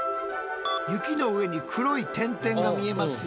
雪の上に黒い点々が見えますよね？